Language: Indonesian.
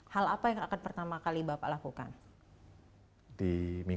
hal apa yang akan pertama kali bapak lakukan